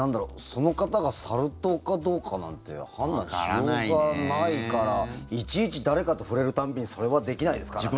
その方がサル痘かどうかなんて判断しようがないからいちいち誰かと触れる度にそれはできないですからね。